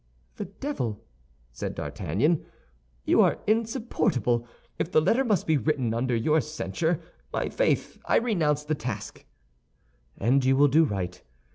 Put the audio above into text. "The devil!" said D'Artagnan, "you are insupportable. If the letter must be written under your censure, my faith, I renounce the task." "And you will do right.